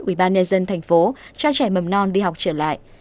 ubnd tp cho trẻ mầm non đi học trở lại